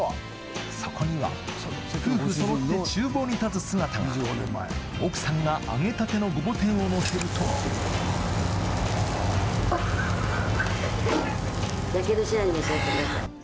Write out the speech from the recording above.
そこには夫婦そろって厨房に立つ姿が奥さんが揚げたてのごぼ天をのせるとやけどしないように召し上がってください。